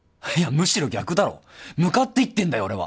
いやむしろ逆だろ向かっていってんだよ